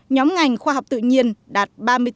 nhóm ngành khoa học tự nhiên đạt ba mươi bốn năm mươi tám